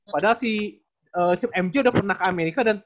padahal si mj udah pernah ke amerika dan